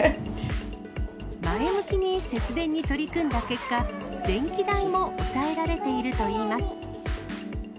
前向きに節電に取り組んだ結果、電気代も抑えられているといいます。